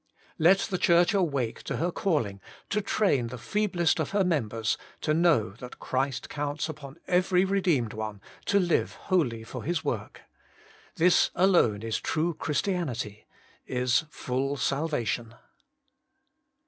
Let the Church awake to her calling to train the feeblest of her members to know that Christ counts upon every redeemed one to live wholly for His work. This alone is true Christianity, is full salvation.